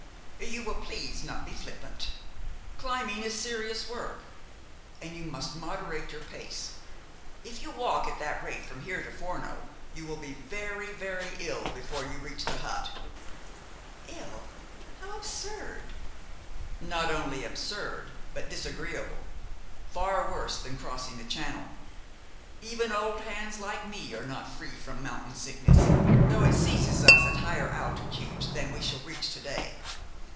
"You will please not be flippant. Climbing is serious work. And you must moderate your pace. If you walk at that rate from here to Forno, you will be very, very ill before you reach the hut." "Ill! How absurd!" "Not only absurd but disagreeable, far worse than crossing the Channel. Even old hands like me are not free from mountain sickness, though it seizes us at higher altitudes than we shall reach to day.